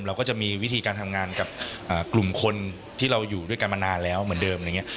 เราก็จะมีวิธีการทำงานกับกลุ่มคนที่เราอยู่ด้วยกันมานานแล้วเหมือนเดิมอะไรอย่างนี้